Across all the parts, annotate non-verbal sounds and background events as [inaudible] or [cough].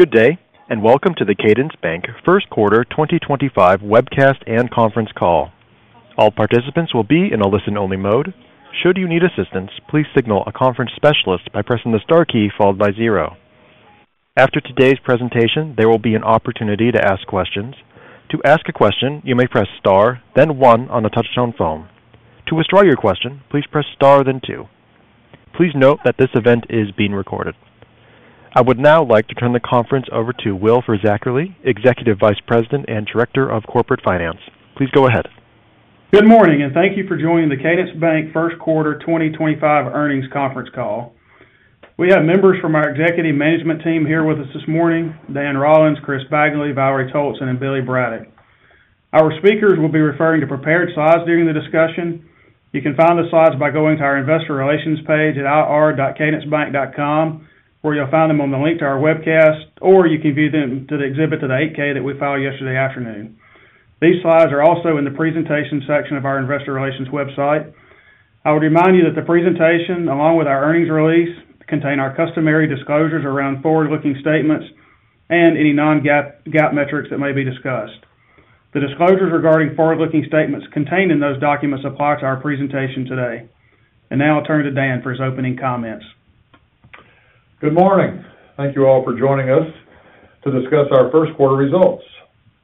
Good day and welcome to the Cadence Bank First Quarter 2025 Webcast and Conference Call. All participants will be in a listen only mode. Should you need assistance, please signal a conference specialist by pressing the star key followed by zero. After today's presentation there will be an opportunity to ask questions. To ask a question, you may press star then one on the touch-tone phone. To withdraw your question, please press star then two. Please note that this event is being recorded. I would now like to turn the conference over to Will Fisackerly, Executive Vice President and Director of Corporate Finance. Please go ahead. Good morning and thank you for joining the Cadence Bank first quarter 2025 earnings conference call. We have members from our executive management team here with us this morning: Dan Rollins, Chris Bagley, Valerie Toalson, and Billy Braddock. Our speakers will be referring to prepared slides during the discussion. You can find the slides by going to our Investor Relations page at ir.cadencebank.com where you'll find them on the link to our webcast or you can view them through the exhibit to the 8-K that we filed yesterday afternoon. These slides are also in the presentation section of our Investor Relations website. I would remind you that the presentation along with our earnings release contain our customary disclosures around forward-looking statements and any non-GAAP or GAAP metrics that may be discussed. The disclosures regarding forward-looking statements contained in those documents apply to our presentation today. Now I'll turn to Dan for his opening comments. Good morning. Thank you all for joining us to discuss our first quarter results.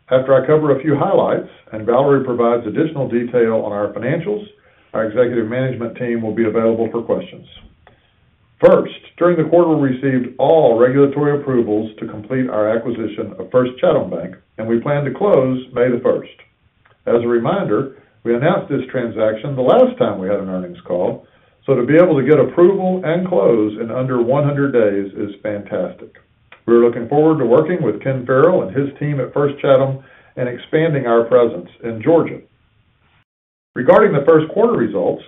After I cover a few highlights and Valerie provides additional detail on our financials, our executive management team will be available for questions. First. During the quarter we received all regulatory approvals to complete our acquisition of First Chatham Bank and we plan to close May 1st. As a reminder, we announced this transaction the last time we had an earnings call, so to be able to get approval and close in under 100 days is fantastic. We're looking forward to working with Ken Farrell and his team at First Chatham and expanding our presence in Georgia. Regarding the first quarter results,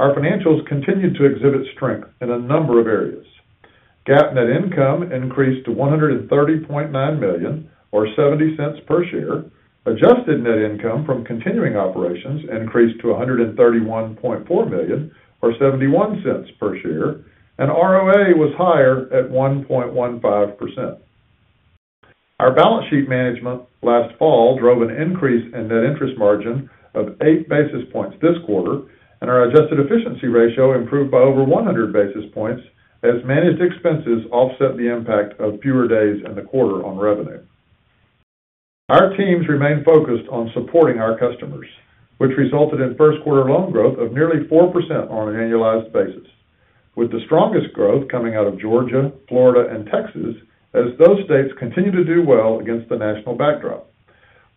our financials continued to exhibit strength in a number of areas. GAAP net income increased to $130.9 million or $0.70 per share. Adjusted net income from continuing operations increased to $131.4 million or $0.71 per share and ROA was higher at 1.15%. Our balance sheet management last fall drove an increase in net interest margin of 8 basis points this quarter and our adjusted efficiency ratio improved by over 100 basis points as managed expenses offset the impact of fewer days in the quarter on revenue. Our teams remain focused on supporting our customers which resulted in first quarter loan growth of nearly 4% on an annualized basis, with the strongest growth coming out of Georgia, Florida and Texas as those states continue to do well against the national backdrop.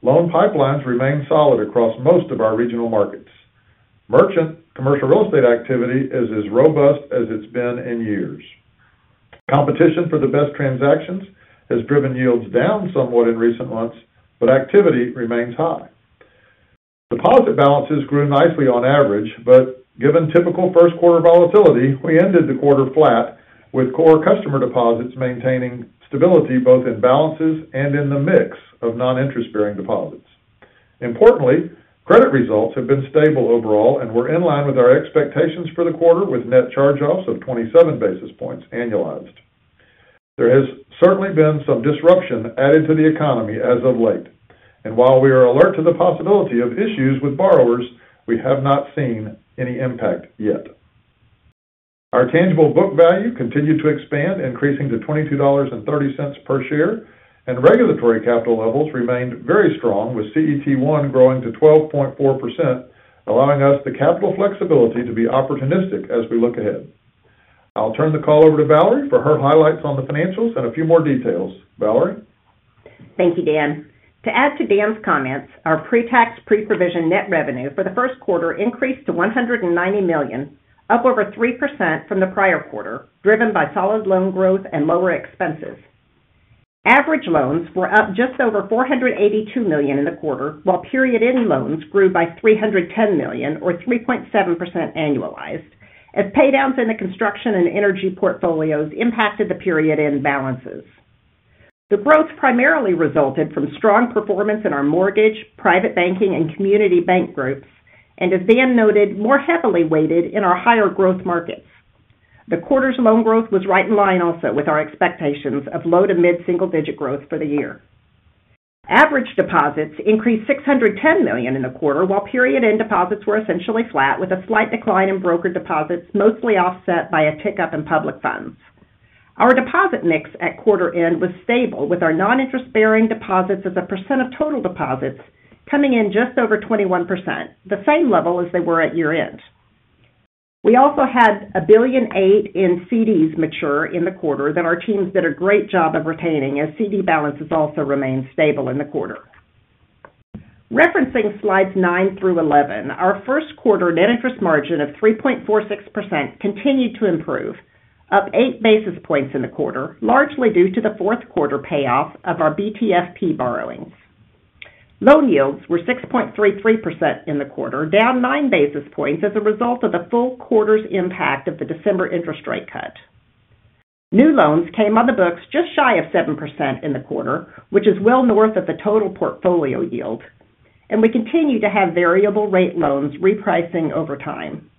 Loan pipelines remain solid across most of our regional markets. Merchant commercial real estate activity is as robust as it's been in years. Competition for the best transactions has driven yields down somewhat in recent months, but activity remains high. Deposit balances grew nicely on average, but given typical first quarter volatility we ended the quarter flat with core customer deposits maintaining stability both in balances and in the mix of non-interest bearing deposits. Importantly, credit results have been stable overall and were in line with our expectations for the quarter with net charge-offs of 27 basis points annualized. There has certainly been some disruption added to the economy as of late and while we are alert to the possibility of issues with borrowers, we have not seen any impact yet. Our tangible book value continued to expand, increasing to $22.30 per share and regulatory capital levels remained very strong with CET1 growing to 12.4%, allowing us the capital flexibility to be opportunistic as we look ahead. I'll turn the call over to Valerie for her highlights on the financials and a few more details. Valerie. Thank you Dan. To add to Dan's comments, our pre-tax pre-provision net revenue for the first quarter increased to $190 million, up over 3% from the prior quarter, driven by solid loan growth and lower expenses. Average loans were up just over $482 million in the quarter, while period-end loans grew by $310 million or 3.7% annualized, as paydowns in the construction and energy portfolios impacted the period-end balances. The growth primarily resulted from strong performance in our mortgage, private banking, and community bank groups and is, as Dan noted, more heavily weighted in our higher growth markets. The quarter's loan growth was right in line also with our expectations of low to mid-single-digit growth for the year. Average deposits increased $610 million in the quarter while period-end deposits were essentially flat with a slight decline in brokered deposits mostly offset by a tick in public funds. Our deposit mix at quarter end was stable with our non-interest bearing deposits as a percent of total deposits coming in just over 21%, the same level as they were at year-end. We also had $1.8 billion in CDs mature in the quarter that our teams did a great job of retaining as CD balances also remained stable in the quarter. Referencing slides nine through 11. Our first quarter net interest margin of 3.46% continued to improve, up 8 basis points in the quarter largely due to the fourth quarter payoff of our BTFP borrowings. Loan yields were 6.33% in the quarter, down 9 basis points as a result of the full quarter's impact of the December interest rate cut. New loans came on the books just shy of 7% in the quarter, which is well north of the total portfolio yield and we continue to have variable rate loans repricing over time.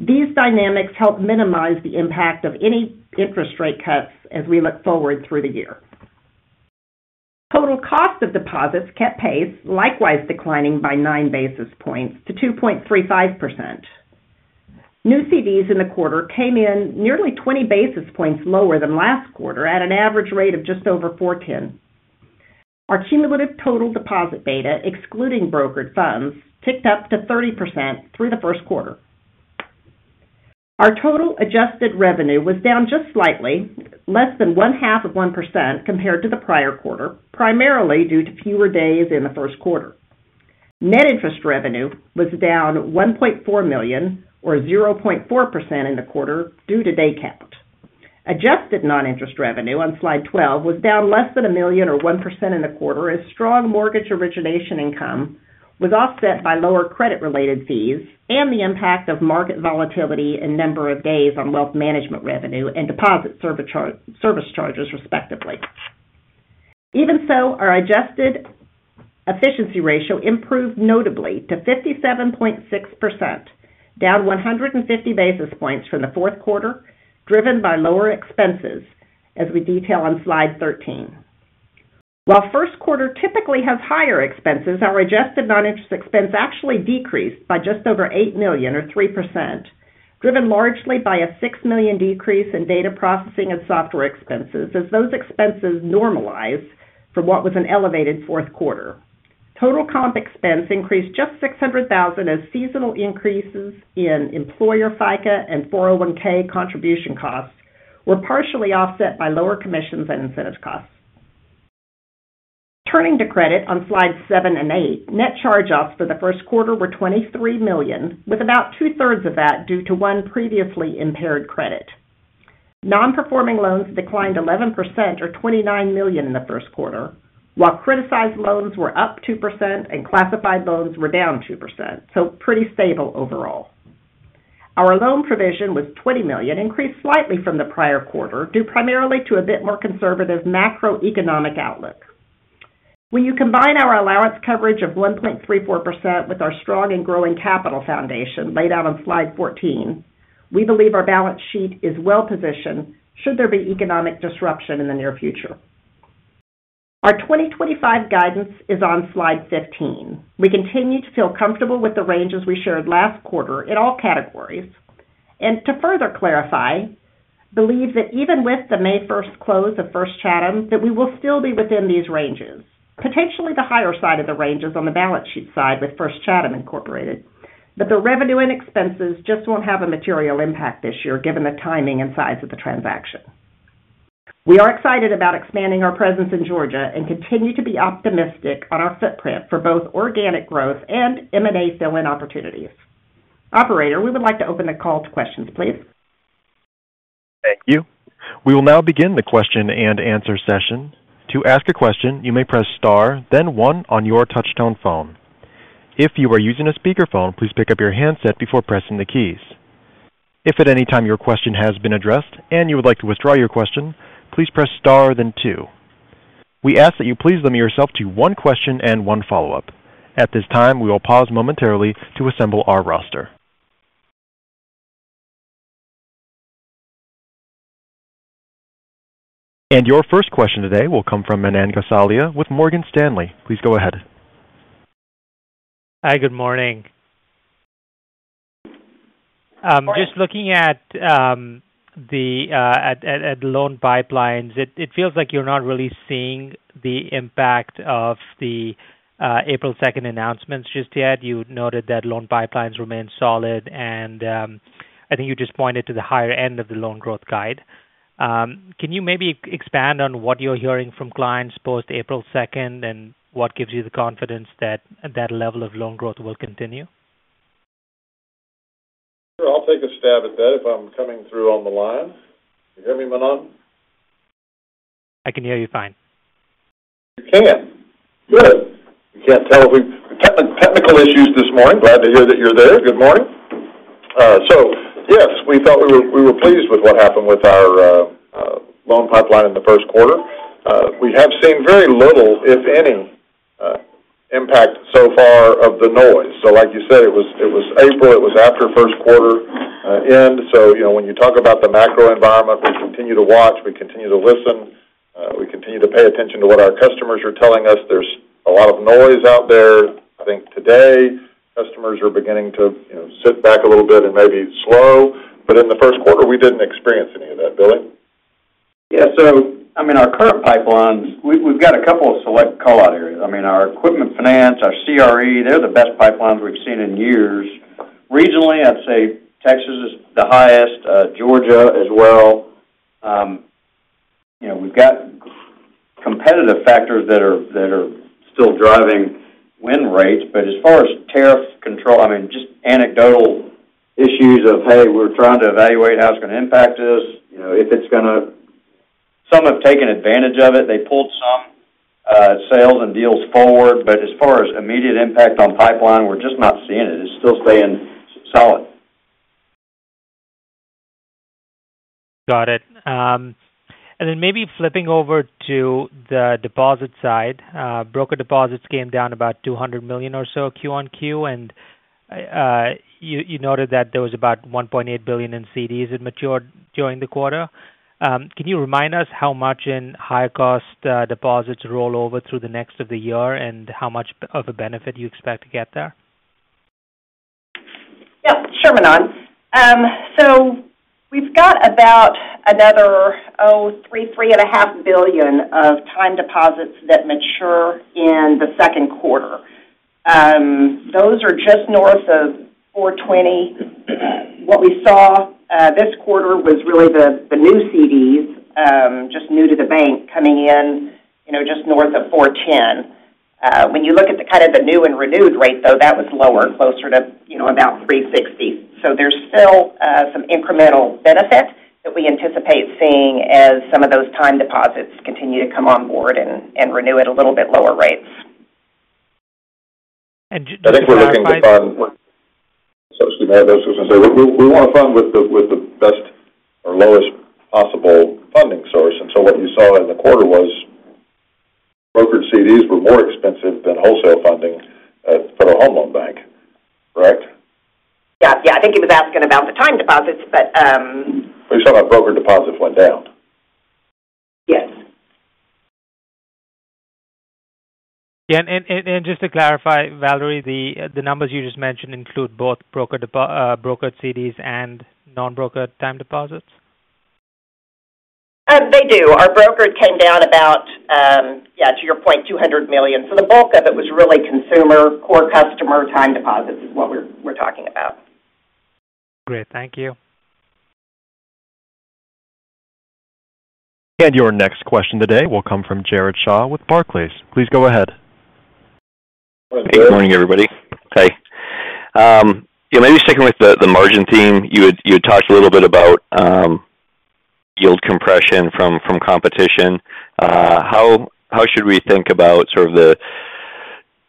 These dynamics help minimize the impact of any interest rate cuts as we look forward through the year. Total cost of deposits kept pace, likewise declining by 9 basis points to 2.35%. New CDs in the quarter came in nearly 20 basis points lower than last quarter at an average rate of just over 4.10%. Our cumulative total deposit beta excluding brokered funds ticked up to 30% through the first quarter. Our total adjusted revenue was down just slightly less than 0.5% compared to the prior quarter, primarily due to fewer days in the first quarter. Net interest revenue was down $1.4 million or 0.4% in the quarter due to day count. Adjusted non-interest revenue on slide 12 was down less than $1 million or 1% in the quarter as strong mortgage origination income was offset by lower credit-related fees and the impact of market volatility and number of days on wealth management revenue and deposit service charges respectively. Even so, our adjusted efficiency ratio improved notably to 57.6%, down 150 basis points from the fourth quarter driven by lower expenses as we detail on slide 13. While first quarter typically has higher expenses, our adjusted non-interest expense actually decreased by just over $8 million or 3% driven largely by a $6 million decrease in data processing and software expenses as those expenses normalize from what was an elevated fourth quarter. Total comp expense increased just $600,000 as seasonal increases in employer FICA and 401(k) contribution costs were partially offset by lower commissions and incentives costs. Turning to credit on slides seven and eight, net charge-offs for the first quarter were $23 million with about 2/3 of that due to one previously impaired credit. Non-performing loans declined 11% or $29 million in the first quarter while criticized loans were up 2% and classified loans were down 2%, so pretty stable overall. Our loan provision was $20 million increased slightly from the prior quarter due primarily to a bit more conservative macroeconomic outlook. When you combine our allowance coverage of 1.34% with our strong and growing capital foundation laid out on slide 14, we believe our balance sheet is well positioned should there be economic disruption in the near future. Our 2025 guidance is on slide 15. We continue to feel comfortable with the ranges we shared last quarter in all categories and to further clarify, believe that even with the May 1st close of First Chatham that we will still be within these ranges. Potentially the higher side of the range is on the balance sheet side with First Chatham incorporated, but the revenue and expenses just will not have a material impact this year given the timing and size of the transaction. We are excited about expanding our presence in Georgia and continue to be optimistic on our footprint for both organic growth and M&A fill in opportunities. Operator, we would like to open the call to questions, please. Thank you. We will now begin the question and answer session. To ask a question, you may press star then one on your touch-tone phone. If you are using a speakerphone, please pick up your handset before pressing the keys. If at any time your question has been addressed and you would like to withdraw your question, please press star then two. We ask that you please limit yourself to one question and one follow up at this time. We will pause momentarily to assemble our roster. Your first question today will come from Manan Gosalia with Morgan Stanley. Please go ahead. Hi, good morning. Just looking at loan pipelines, it feels like you're not really seeing the impact of the April 2nd announcements just yet. You noted that loan pipelines remain solid and I think you just pointed to the higher end of the loan growth guide. Can you maybe expand on what you're hearing from client's post April 2nd and what gives you the confidence that that level of loan growth will continue? I'll take a stab at that if I'm coming through on the line. Can you hear me, Manan? I can hear you fine. You can? Good. You can't tell if we have technical issues this morning. Glad to hear that you're there. Good morning. Yes, we thought we were pleased with what happened with our loan pipeline in the first quarter. We have seen very little, if any, impact so far of the noise. Like you said, it was April, it was after first quarter end. You know, when you talk about the macro environment, we continue to watch, we continue, we continue to listen, we continue to pay attention to what our customers are telling us. There's a lot of noise out there. I think today customers are beginning to sit back a little bit and maybe slow. In the first quarter we didn't experience any of that. Billy. Yeah, I mean our current pipelines, we've got a couple of select callout areas. I mean our equipment finance, our CRE, they're the best pipelines we've seen in years. Regionally, I'd say Texas is the highest, Georgia as well. You know, we've got competitive factors that are still driving win rates. As far as tariff control, I mean just anecdotal issues of, hey, we're trying to evaluate how it's going to impact us, you know, if it's going to. Some have taken advantage of it, they pulled some sales and deals forward. As far as immediate impact on pipeline, we're just not seeing it. It's still staying solid. Got it. Maybe flipping over to the deposit side, brokered deposits came down about $200 million or so QoQ. You noted that there was about $1.8 billion in CDs that matured during the quarter. Can you remind us how much in higher cost deposits roll over through the rest of the year and how much of a benefit you expect to get there? Yep, sure. Manan. We've got about another $3.0 billion-$3.5 billion of time deposits that mature in the second quarter. Those are just north of $420. What we saw this quarter was really the new CDs just new to the bank, coming in just north of $410. When you look at the kind of the new and renewed rate though, that was lower, closer to about $360. There is still some incremental benefit that we anticipate seeing as some of those time deposits continue to come on board and renew at a little bit lower rates. I think we're looking to fund. We want to fund with the best or lowest possible funding source. What you saw in the quarter was brokered CDs were more expensive than wholesale funding for the Federal Home Loan Bank, correct? Yeah, yeah. I think he was asking about the time deposits. You saw that brokered deposits went down. Yes. Just to clarify, Valerie, the numbers you just mentioned include both brokered CDs and non-brokered time deposits. They do. Our brokered came down about, to your point, $200 million. The bulk of it was really consumer core customer time deposits is what we're talking about. Great, thank you. Your next question today will come from Jared Shaw with Barclays. Please go ahead. Maybe sticking with the margin theme. You had talked a little bit about yield compression from competition. How should we think about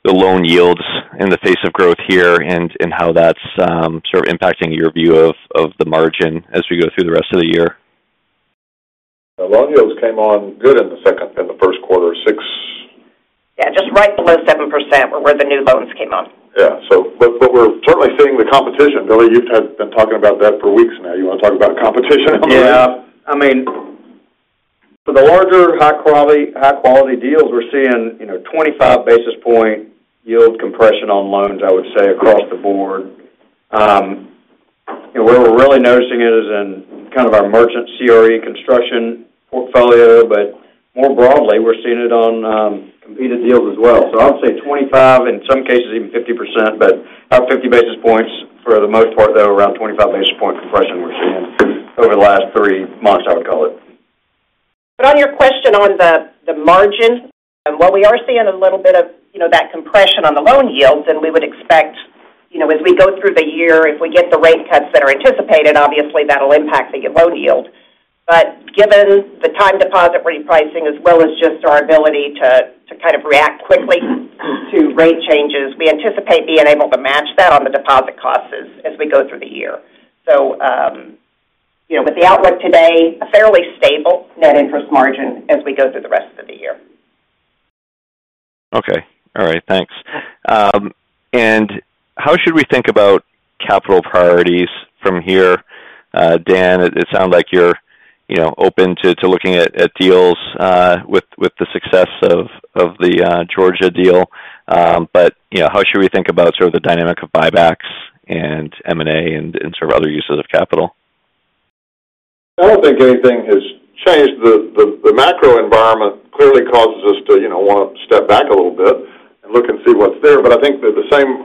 the loan yields in the face of growth here and how that's sort of impacting your view of the margin as we go through the rest of the year? Loan yields came on good in the second in the first quarter. Six. Yeah, just right below 7% were where the new loans came on. Yeah, so. We're certainly seeing the competition. Billy, you've been talking about that for weeks now. You want to talk about competition? Yeah, I mean, for the larger high-quality deals, we're seeing, you know, 25 basis point yield compression on loans, I would say across the board, where we're really noticing it is in kind of our merchant CRE construction portfolio, but more broadly we're seeing it on. I would say 25, in some cases even 50%, but about 50 basis points for the most part though, around 25 basis point compression we're seeing over the last three months, I would call it. On your question on the margin, while we are seeing a little bit of that compression on the loan yields and we would expect as we go through the year, if we get the rate cuts that are anticipated, obviously that will impact the loan yield. Given the time deposit repricing as well as just our ability to, to kind of react quickly to rate changes, we anticipate being able to match that on the deposit costs as we go through the year. With the outlook today a fairly stable net interest margin as we go through the rest of the year. Okay. All right, thanks. How should we think about capital priorities from here? Dan, it sounds like you're open to looking at deals with the success of the Georgia deal, but how should we think about the dynamic of buybacks and M&A and other uses of capital? I don't think anything has changed. The macro environment clearly causes us to want to step back a little bit and look and see what's there. I think that the same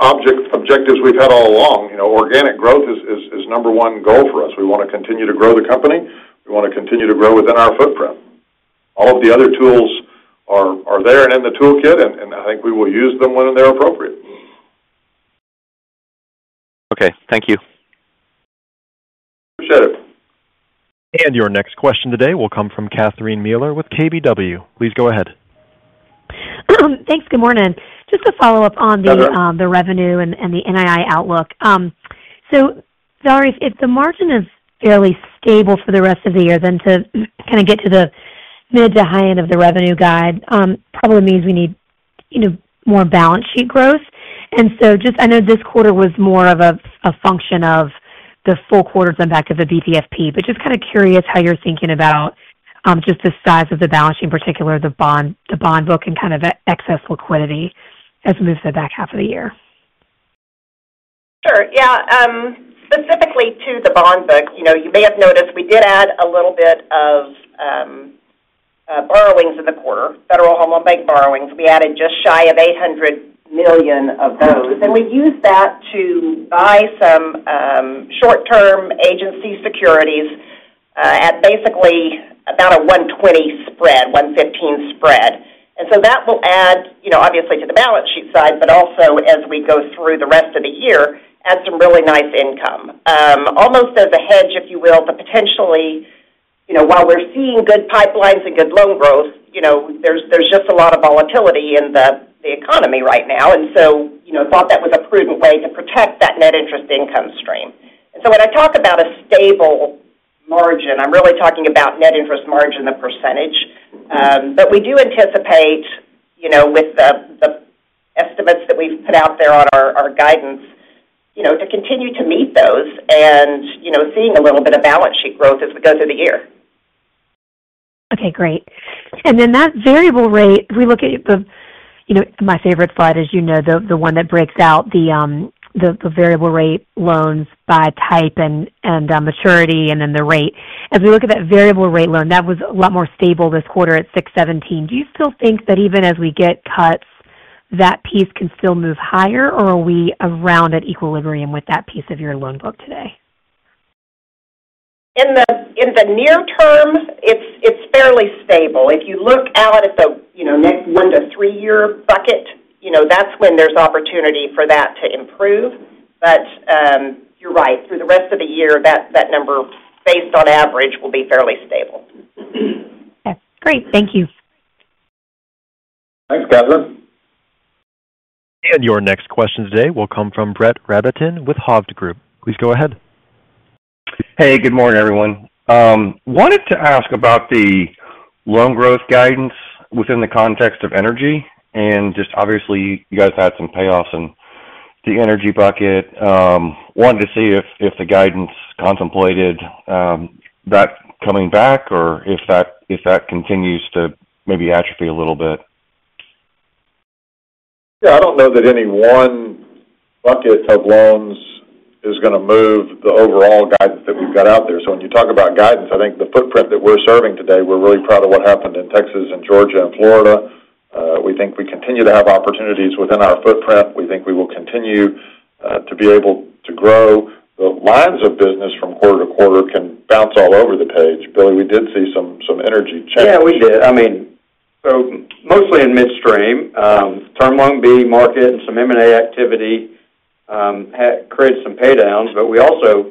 objectives we've had all along, organic growth is number one goal for us. We want to continue to grow the company. We want to continue to grow within our footprint. All of the other tools are there and in the toolkit and I think we will use them when they're appropriate. Okay, thank you. Appreciate it. Your next question today will come from Catherine Mealor with KBW. Please go ahead. Thanks. Good morning. Just a follow up on the revenue and the NII outlook. If the margin is fairly stable for the rest of the year, then to kind of get to the mid to high-end of the revenue guide probably means we need more balance sheet growth. I know this quarter was more of a function of the full quarter's impact of the BTFP, but just kind of curious how you're thinking about just the size of the balance sheet, in particular the bond book and kind of excess liquidity as we move to the back half of the year. Sure, yeah. Specifically to the bond book. You know, you may have noticed we did add a little bit of borrowings in the quarter, Federal Home Loan Bank borrowings, we added just shy of $800 million of those. We used that to buy some short-term agency securities at basically about a 120 spread, 115 spread. That will add obviously to the balance sheet side, but also as we go through the rest of the year, add some really nice income, almost as a hedge, if you will, to potentially while we're seeing good pipelines and good loan growth, there's just a lot of volatility in the economy right now and thought that was a prudent way to protect that net interest income stream. When I talk about a stable margin, I'm really talking about net interest margin, the percentage. We do anticipate with the estimates that we've put out there on our guidance to continue to meet those and seeing a little bit of balance sheet growth as we go through the year. Okay, great. That variable rate, we look at my favorite slide, as you know, the one that breaks out the variable rate loans by type and maturity and then the rate. As we look at that variable rate loan, that was a lot more stable this quarter at 617. Do you still think that even as we get cuts that piece can still move higher, or are we around at equilibrium with that piece of your loan book today? In the near term it's fairly stable. If you look out at the next one to three year bucket, that's when there's opportunity for that to improve. But you're right. Through the rest of the year that number based on average will be fairly stable. Great, thank you. Thanks, Catherine. Your next question today will come from Brett Rabatin with Hovde Group. Please go ahead. Hey, good morning everyone. Wanted to ask about the loan growth guidance within the context of energy. And just obviously you guys had some payoffs in the energy bucket. Wanted to see if the guidance contemplated that coming back or if that continues to maybe atrophy a little bit. Yeah, I don't know that any one bucket of loans is going to move the overall guidance that we've got out there. When you talk about guidance, I think the footprint that we're serving today, we're really proud of what happened in Texas and Georgia and Florida, we think we continue to have opportunities within our footprint. We think we will continue to be able to grow. The lines of business from quarter to quarter can bounce all over the page, Billy. We did see some energy changes. Yeah, we did. I mean, mostly in midstream Term Loan B market. And some M&A activity created some pay downs, but we also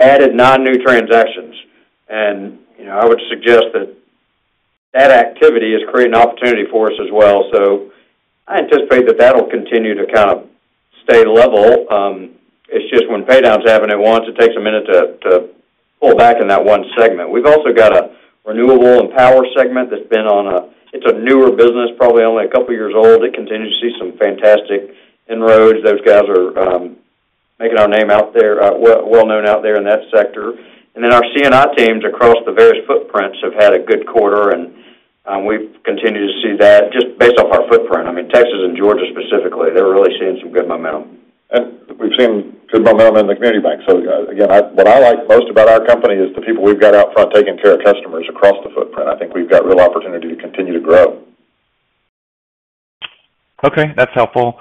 added nine new transactions. I would suggest that that activity is creating opportunity for us as well. I anticipate that that'll continue to kind of stay level. It's just when pay downs happen at once, it takes a minute to pull back. In that one segment, we've also got a renewable and power segment that's been on a. It's a newer business, probably only a couple years old. It continues to see some fantastic inroads. Those guys are making our name out there well known out there in that sector. Then our C&I teams across the various footprints have had a good quarter. We continue to see that just based off our footprint. I mean, Texas and Georgia specifically, they're really seeing some good momentum. We've seen good momentum in the community bank. What I like most about our company is the people we've got out front taking care of customers across the footprint. I think we've got real opportunity to continue to grow. Okay, that's helpful.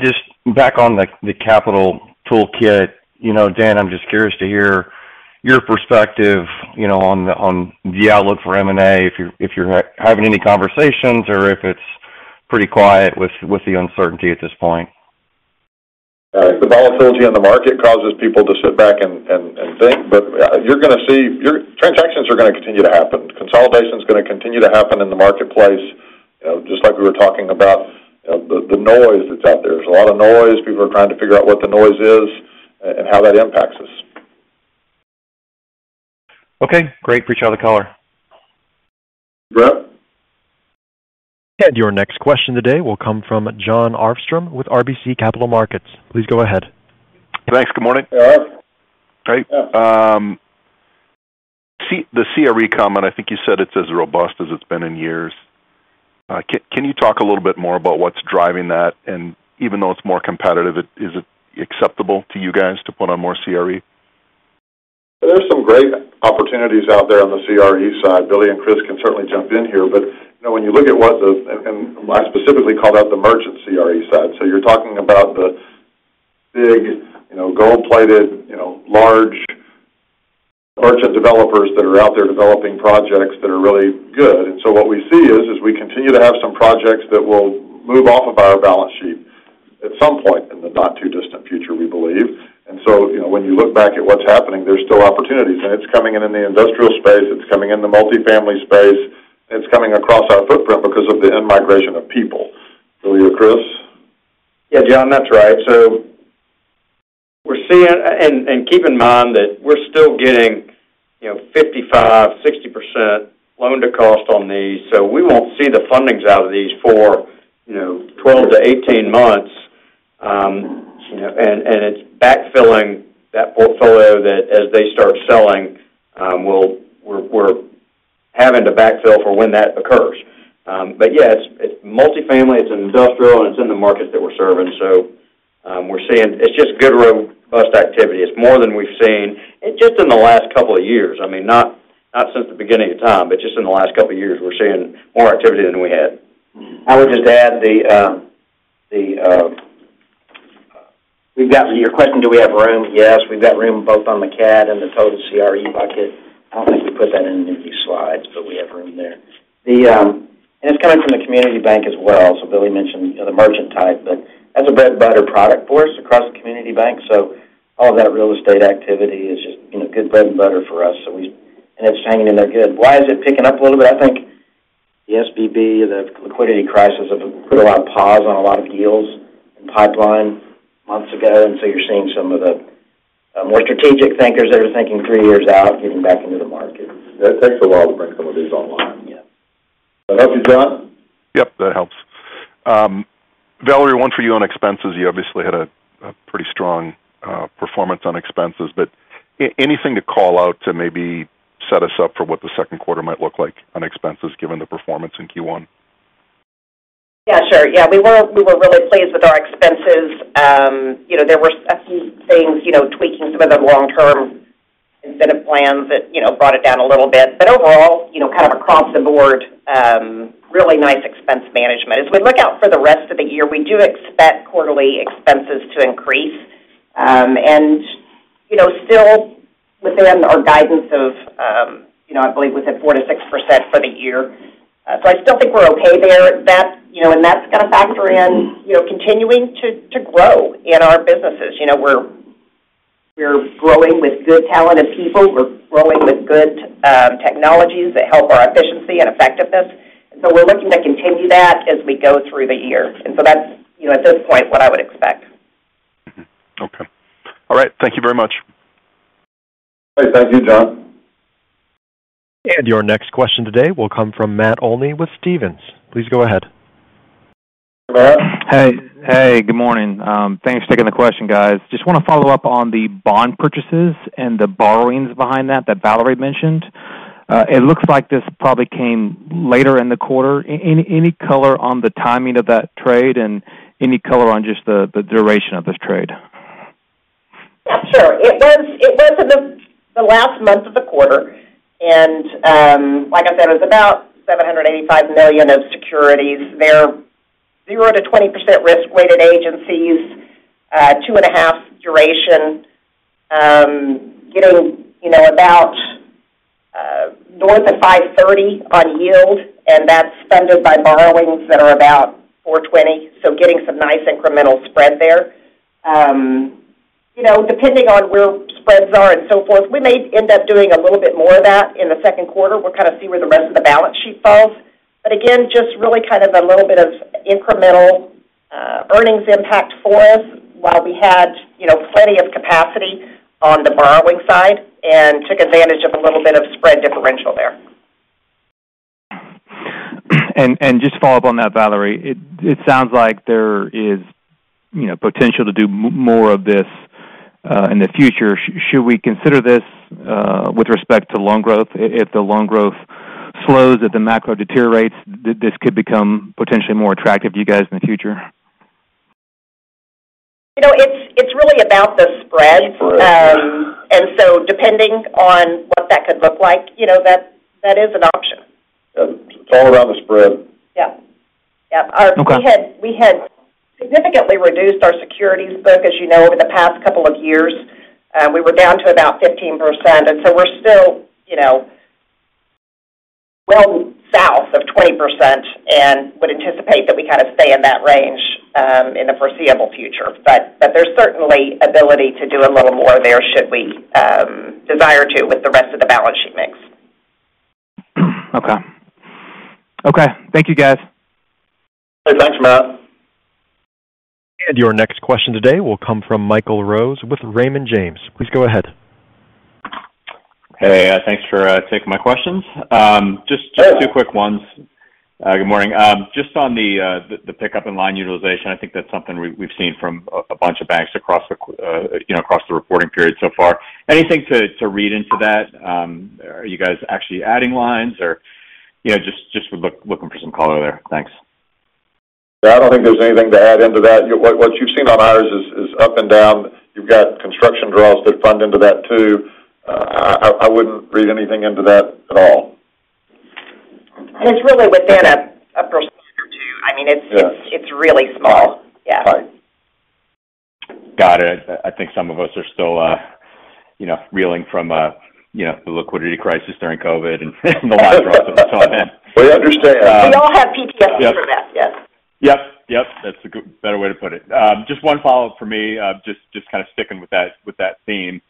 Just back on the capital toolkit, you know, Dan, I'm just curious to hear your perspective, you know, on the outlook for M&A. If you're having any conversations or if it's pretty quiet with the uncertainty at this point, the volatility in. The market causes people to sit back and think. You are going to see transactions are going to continue to happen. Consolidation is going to continue to happen in the marketplace. Just like we were talking about the noise that is out there, there is a lot of noise. People are trying to figure out what the noise is and how that impacts us. Okay, great. Appreciate the call there. Brett. Your next question today will come from Jon Arfstrom with RBC Capital Markets. Please go ahead. Thanks. Good morning. The CRE comment, I think you said it's as robust as it's been in years. Can you talk a little bit more about what's driving that? Even though it's more competitive, is it acceptable to you guys to put on more CRE? There's some great opportunities out there on the CRE side. Billy and Chris can certainly jump in here. When you look at what I specifically called out, the merchant CRE side, you're talking about the big gold-plated, large merchant developers that are out there developing projects that are really good. What we see is we continue to have some projects that will move off of our balance sheet at some point in the not too distant future, we believe. You know, when you look back at what's happening, there's still opportunities and it's coming in the industrial space, it's coming in the multi-family space, it's coming across our footprint because of the in migration of people. Billy? Chris? Yeah, Jon, that's right. We're seeing and keep in mind that we're still getting, you know, 55, 60% loan to cost on these. We will not see the fundings out of these for, you know, 12 to 18 months. It is backfilling that portfolio that as they start selling, we are having to backfill for when that occurs. Yeah, it is multi-family, it is industrial, and it is in the markets that we are serving. We are seeing just good, robust activity. It is more than we have seen just in the last couple of years. I mean, not since the beginning of time, but just in the last couple years we are seeing more activity than we had. I would just add that we have got your question. Do we have room? Yes, we have got room both on the cap and the total CRE bucket. I do not think we put that in any of these slides, but we have room there. It is coming from the community bank as well. Billy mentioned the merchant type, but that's a bread and butter product for us across the community bank. All that real estate activity is just good bread and butter for us and it's hanging in there good. Why is it picking up a little bit? I think the SVB, the liquidity crisis, have put a lot of pause on a lot of deals and pipeline months ago. You're seeing some of the more strategic thinkers that are thinking three years out getting back into the market. It takes a while to bring some of these online. Does that help you, Jon? Yep, that helps. Valerie, one for you on expenses. You obviously had a pretty strong performance on expenses, but anything to call out to maybe set us up for what the second quarter might look like on expenses given the performance in Q1? Yeah, sure. Yes, we were really pleased with our expenses. You know, there were a few things, you know, tweaking some of the long-term incentive plans that, you know, brought it down a little bit. But overall, you know, kind of across the board, really nice expense management. As we look out for the rest of the year, we do expect quarterly expenses to increase and, you know, still within our guidance of, you know, I believe within 4%-6% for the year. So I still think we're okay there that, you know, and that's going to factor in, you know, continuing to grow in our businesses. You know, we're growing with good talented people, we're growing with good technologies that help our efficiency and effectiveness. So we're looking to continue that as we go through the year. That is, at this point, what I would expect. Okay. All right. Thank you very much. Thank you, Jon. Your next question today will come from Matt Olney with Stephens. Please go ahead. Hey. Hey, good morning. Thanks for taking the question, guys. Just want to follow up on the bond purchases and the borrowings behind that that Valerie mentioned. It looks like this probably came later in the quarter. Any color on the timing of that trade and any color on just the duration of this trade? Sure. It was in the last month of the quarter and like I said, it was about $785 million of securities. They're 0%-20% risk weighted agencies, 2.5 duration, getting about north of 5.30% on yield. And that's funded by borrowings that are about, so getting some nice incremental spread there. You know, depending on where spreads are and so forth, we may end up doing a little bit more of that in the second quarter. We'll kind of see where the rest of the balance sheet falls, but again, just really kind of a little bit of incremental earnings impact for us. While we had, you know, plenty of capacity on the borrowing side and took advantage of a little bit of spread differential there. Just to follow up on that, Valerie, it sounds like there is potential to do more of this in the future. Should we consider this with respect to loan growth? If the loan growth slows, if the macro deteriorates, this could become potentially more attractive to you guys in the future. It's really about the spread. Depending on what that could look like, that is an option. It's all around the spread. Yeah. We had significantly reduced our securities book as, you know, over the past couple of years. We were down to about 15%. And so we're still, you know, well south of 20% and would anticipate that we kind of stay in that range in the foreseeable future. There is certainly ability to do a little more there should we desire to with the rest of the balance sheet mix. Okay. Okay. Thank you, guys. Thanks, Matt. Your next question today will come from Michael Rose with Raymond James. Please go ahead. Hey, thanks for taking my questions. Just two quick ones. Good morning. Just on the pickup in line utilization, I think that's something we've seen from a bunch of banks across the reporting period so far. Anything to read into that? Are you guys actually adding lines or, you know, just looking for some color there? Thanks. I don't think there's anything to add into that. What you've seen on ours is up and down. You've got construction draws that fund into that too. I wouldn't read anything into that at all. It's really within a percentage or two. I mean, it's really small. Yeah, got it. I think some of us are still, you know, reeling from, you know, the liquidity crisis during COVID and the last drop. We understand. We all have PTSD for that. Yes. Yep. Yep. That's a better way to put it. Just one follow up for me. Just kind of sticking with that theme.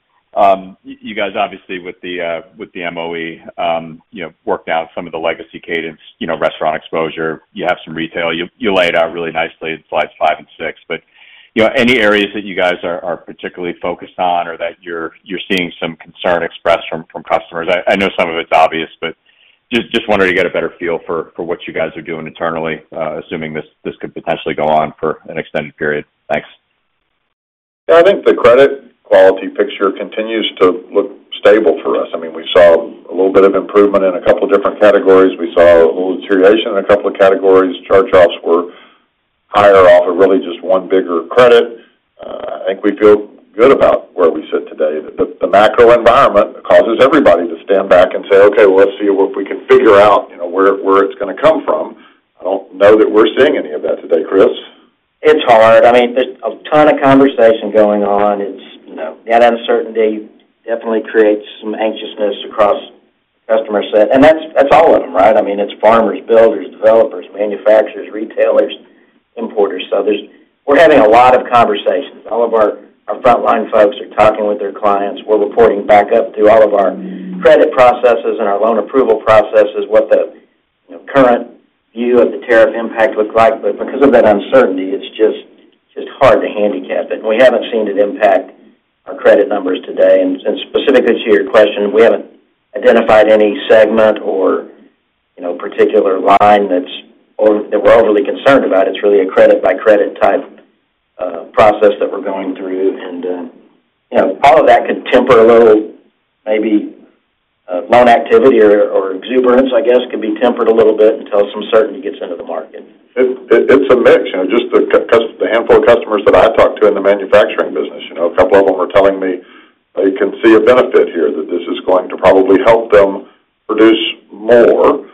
You guys, obviously with the MOE, you know, worked down some of the legacy Cadence, you know, restaurant exposure, you have some retail. You lay it out really nicely in slides five and six. Any areas that you guys are particularly focused on or that you're seeing some concern expressed from customers? I know some of it's obvious, but just wanted to get a better feel for what you guys are doing internally, assuming this could potentially go on for an extended period. I think the credit quality picture continues to look stable for us. I mean, we saw a little bit of improvement in a couple different categories. We saw a little deterioration in a couple of categories. Charge offs were higher off of really just one bigger credit. I think we feel good about where we sit today. The macro environment causes everybody to stand back and say, okay, let's see if we can figure out where it's going to come from. I don't know that we're seeing any of that today, Chris. It's hard. I mean, there's a ton of conversation going on. That uncertainty definitely creates some anxiousness across customer set. That's all of them, right? I mean, it's farmers, builders, developers, manufacturers, retailers, importers. We are having a lot of conversations. All of our frontline folks are talking with their clients. We're reporting back up through all of our credit processes and our loan approval processes what the current view of the tariff impact look like, but because of that uncertainty, it's just hard to handicap it. We haven't seen it impact our credit numbers today. Specifically to your question, we haven't identified any segment or particular line that we're overly concerned about. It's really a credit-by-credit-type process that we're going through. All of that could temper a little, maybe loan activity or exuberance, I guess could be tempered a little bit until some certainty gets into the market. It's a mix. Just the handful of customers that I talk to in the manufacturing business, you know, a couple of them are telling me they can see a benefit here, that this is going to probably help them produce more.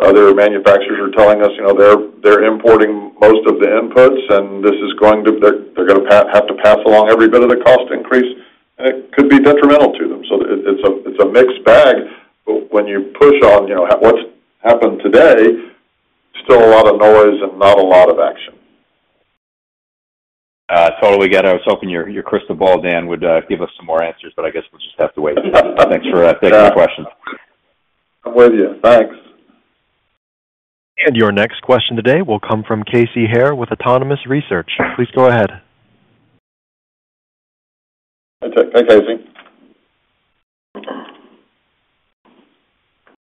Other manufacturers are telling us, you know, they're importing most of the inputs and this is going to. They're going to have to pass along every bit of the cost increase and it could be detrimental to them. It is a mixed bag. When you push on, you know what's happened today, still a lot of noise and not a lot of action. Totally get it. I was hoping your crystal ball, Dan, would give us some more answers, but I guess we'll just have to wait. Thanks for taking questions. I'm with you. Thanks. Your next question today will come from Casey Haire with Autonomous Research. Please go ahead,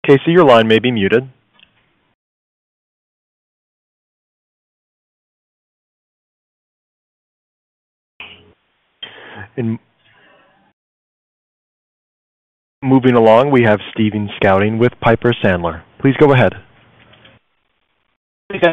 Casey. Your line may be muted. Moving along, we have Stephen Scouten with Piper Sandler. Please go ahead. [audio distortion] We're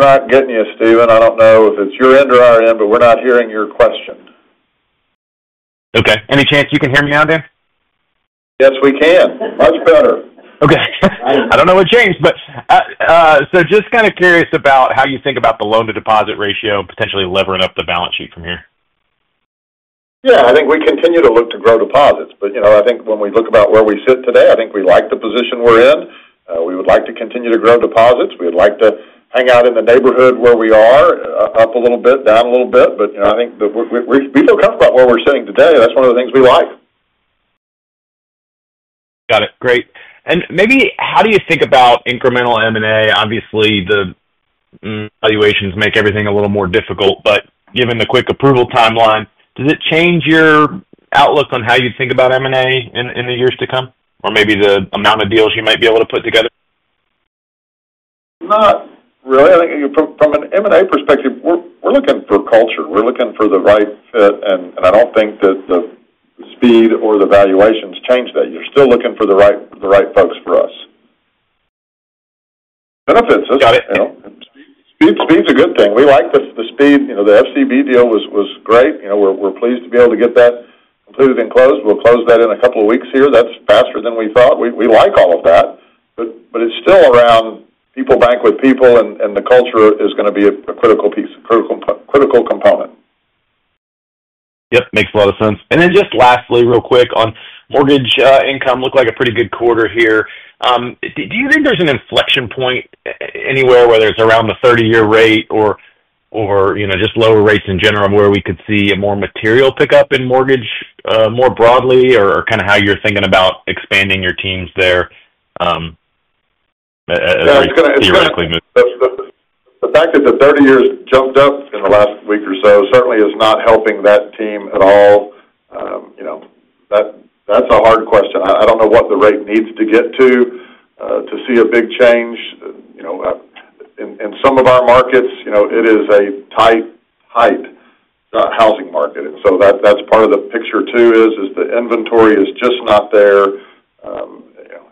not getting you, Stephen. I don't know if it's your end or our end, but we're not hearing your question. Okay. Any chance you can hear me now, Dan? Yes, we can. Much better. Okay. I don't know what changed, but just kind of curious about how you think about the loan to deposit ratio potentially levering up the balance sheet from here. Yes, I think we continue to look to grow deposits. I think when we look about where we sit today, I think we like the position we're in. We would like to continue to grow deposits. We would like to hang out in the neighborhood where we are, up a little bit, down a little bit. I think we feel comfortable where we're sitting today. That's one of the things we like. Got it. Great. Maybe how do you think about incremental M&A? Obviously the valuations make everything a little more difficult. Given the quick approval timeline, does it change your outlook on how you think about M&A in the years to come or maybe the amount of deals you might be able to put together? Not really. I think from an M&A perspective, we're looking for culture, we're looking for the right fit and I don't think that the speed or the valuations change that. You're still looking for the right folks for us benefits. Got it. Speed's a good thing. We like the speed. The FCB deal was great. We're pleased to be able to get that completed and closed. We'll close that in a couple of weeks here. That's faster than we thought. We like all of that, but it's still around. People bank with people and the culture is going to be a critical component. Yep, makes a lot of sense. Just lastly, real quick on mortgage income, looked like a pretty good quarter here. Do you think there's an inflection point anywhere, whether it's around the 30-year rate or just lower rates in general where we could see a more material pickup in mortgage more broadly or kind of how you're thinking about expanding your teams there? The fact that the 30 years jumped up in the last week or so certainly is not helping that team at all. That's a hard question. I don't know what the rate needs to get to to see a big change in some of our markets. It is a tight housing market. That's part of the picture too is the inventory is just not there.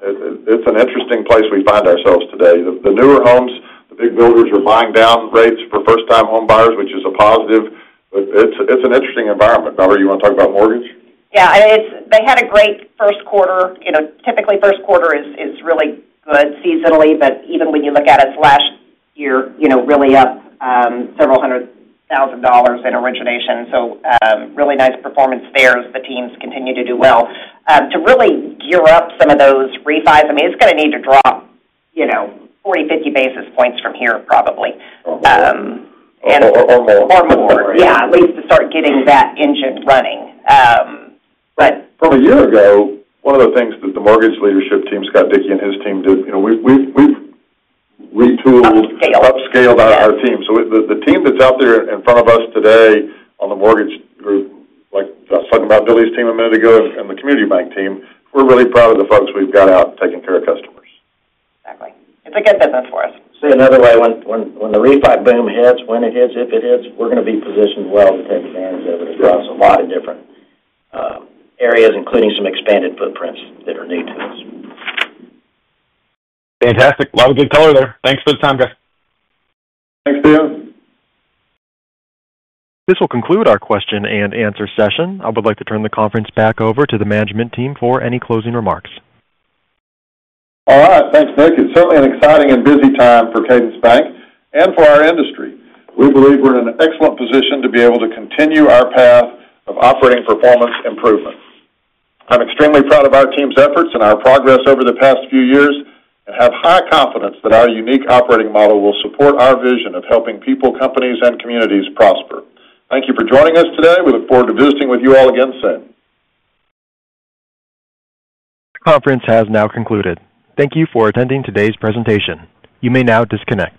It's an interesting place we find ourselves today. The newer homes, the big builders are buying down rates for first-time home buyers, which is a positive. It's an interesting environment. Valerie, you want to talk about mortgage? Yeah. They had a great first quarter. Typically first quarter is really good seasonally, but even when you look at it last year, really up several hundred thousand dollars in origination. Really nice performance there as the teams continue to do well to really gear up some of those refis. I mean it's going to need to drop 40, 50 basis points from here probably or more. Yeah. At least to start getting that engine running. From a year ago. One of the things that the mortgage leadership team, Scott Dickey and his team did, we've retooled, upscaled our team. So the team that's out there in front of us today on the mortgage group, like I was talking about Billy's team a minute ago and the community bank team, we're really proud of the folks we've got out taking care of customers. Exactly. It's a good business for us. See another way, when the refi boom hits, when it hits, if it hits, we're going to be positioned well to take advantage of it across a lot of different areas. Including some expanded footprints that are new to us. Fantastic. A lot of good color there. Thanks for the time, guys. Thank you, Stephen. This will conclude our question and answer session. I would like to turn the conference back over to the management team for any closing remarks. All right. Thanks, Nick. It's certainly an exciting and busy time for Cadence Bank and for our industry. We believe we're in an excellent position to be able to continue our path of operating performance improvement. I'm extremely proud of our team's efforts and our progress over the past few years, and have high confidence that our unique operating model will support our vision of helping people, companies and communities prosper. Thank you for joining us today. We look forward to visiting with you all again soon. The conference has now concluded. Thank you for attending today's presentation. You may now disconnect.